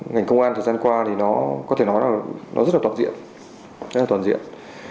ngành công an thời gian qua thì nó có thể nói là nó rất là toàn diện rất là toàn diện